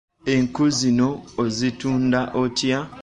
Enku zino ozitunda otya?